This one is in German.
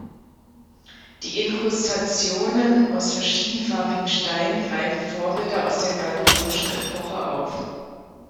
Die Inkrustationen aus verschiedenfarbigen Steinen greifen Vorbilder aus der gallo-römischen Epoche auf.